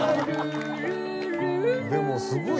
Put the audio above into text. でもすごい。